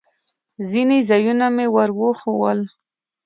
ځینې ځایونه مې ور وښوول.